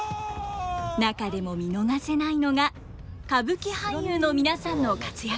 中でも見逃せないのが歌舞伎俳優の皆さんの活躍ぶり。